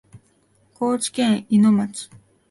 高知県いの町